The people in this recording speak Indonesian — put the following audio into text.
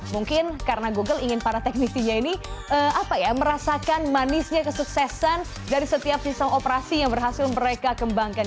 mungkin karena google ingin para teknisinya ini merasakan manisnya kesuksesan dari setiap sistem operasi yang berhasil mereka kembangkan